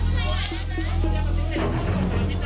ก็ตอบได้คำเดียวนะครับ